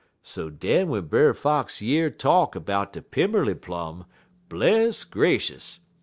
So den w'en Brer Fox year talk er de Pimmerly Plum, bless gracious!